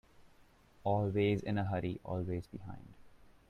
Always in a hurry, always behind.